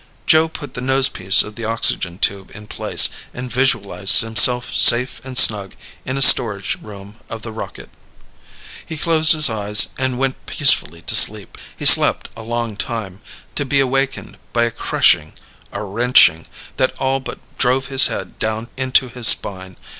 Joe put the nose piece of the oxygen tube into place and visualized himself safe and snug in a storage room of the rocket. He closed his eyes and went peacefully to sleep. He slept a long time, to be awakened by a crushing a wrenching that all but drove his head down into his spine.